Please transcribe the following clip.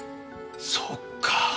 そっか。